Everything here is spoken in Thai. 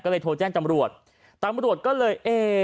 สามรวจก็เลย